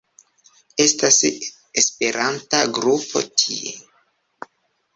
Estas esperanta grupo tie.